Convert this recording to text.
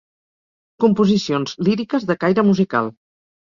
Composicions líriques de caire musical.